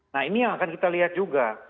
nah ini yang akan kita lihat juga